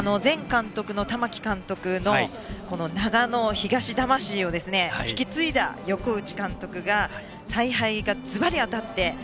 前監督の長野東魂を引き継いだ横打監督の采配がずばり当たって。